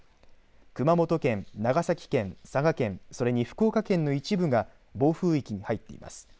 熊本県、長崎県、佐賀県、それに福岡県の一部が暴風域に入っています。